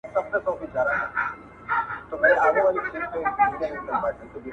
یاري سوله تر مطلبه اوس بې یاره ښه یې یاره,